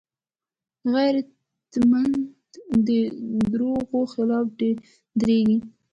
غیرتمند د دروغو خلاف دریږي